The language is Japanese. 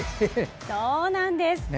そうなんです。